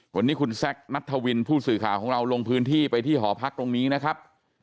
วันนี้คุณแซคนัทธวินผู้สื่อข่าวของเราลงพื้นที่ไปที่หอพักตรงนี้นะครับ